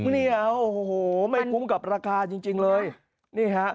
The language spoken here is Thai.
เนี่ยโอ้โหไม่คุ้มกับราคาจริงจริงเลยนี่ฮะ